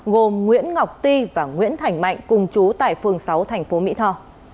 gồm nguyễn ngọc ti và nguyễn thành mạnh cùng chú tại phường sáu thành phố mỹ tho